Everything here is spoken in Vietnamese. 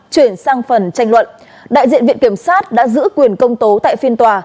chuyển sang phần tranh luận đại diện viện kiểm sát đã giữ quyền công tố tại phiên tòa